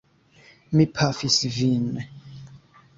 Mi pafis vin!